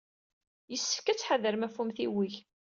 Yessefk ad tḥadrem ɣef umtiweg.